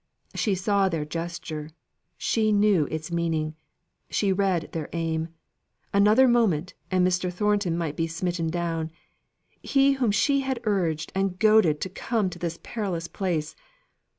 She saw their gesture she knew its meaning she read their aim. Another moment, and Mr. Thornton might be smitten down, he whom she had urged and goaded to come to this perilous place.